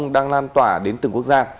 đang lan tỏa đến từng quốc gia